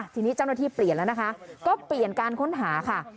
ทีนี้เจ้าหน้าที่เปลี่ยนแล้วนะคะก็เปลี่ยนการค้นหาค่ะ